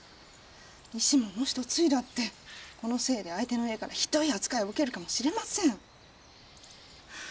石ももし嫁いだってこのせいで相手の家からひどい扱いを受けるかもしれません。